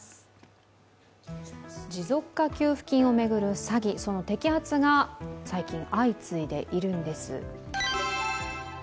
持続化給付金を巡る詐欺、その摘発が最近相次いでいるんです。